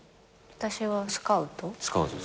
私はスカウト。